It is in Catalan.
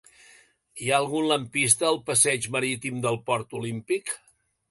Hi ha algun lampista al passeig Marítim del Port Olímpic?